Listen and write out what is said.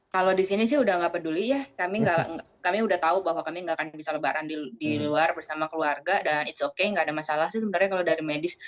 kalau di sini sih udah nggak peduli ya kami udah tahu bahwa kami nggak akan bisa lebaran di luar bersama keluarga dan ⁇ its ⁇ okay nggak ada masalah sih sebenarnya kalau dari medis